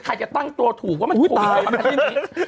ใครจะตั้งตัวถูกว่ามันโควิดมาขนาดนี้อุ๊ยตายนะ